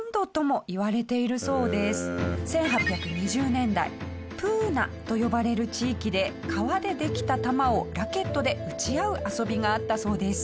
１８２０年代プーナと呼ばれる地域で革でできた球をラケットで打ち合う遊びがあったそうです。